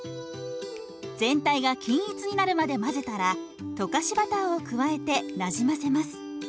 全体が均一になるまで混ぜたら溶かしバターを加えてなじませます。